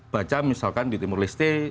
baca misalkan di timur leste